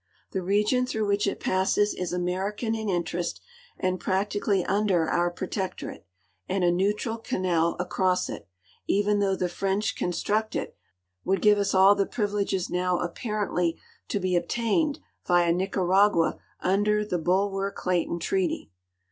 The region through which it passes is American in interest and practically under our protectorate, and a neutral canal across it, even though the French construct it, would give us all the privileges now apparently to l)e obtained via Nicaragua under the Bulwer Clayton treaty.